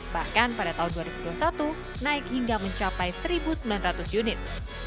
bahkan pada tahun dua ribu dua puluh satu naik hingga mencapai satu sembilan ratus unit